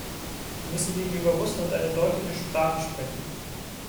Wir müssen gegenüber Russland eine deutliche Sprache sprechen.